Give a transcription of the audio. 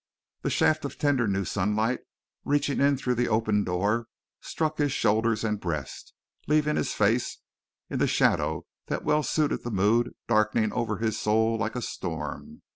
The shaft of tender new sunlight reaching in through the open door struck his shoulders and breast, leaving his face in the shadow that well suited the mood darkening over his soul like a storm.